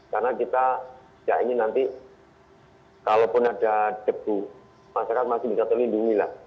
karena kita tidak ingin nanti kalaupun ada debu masyarakat masih bisa terlindungi lah